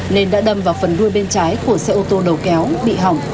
nên đã đâm vào phần đuôi bên trái của xe ô tô đầu kéo bị hỏng